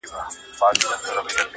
حیا مي ژبه ګونګۍ کړې ده څه نه وایمه!!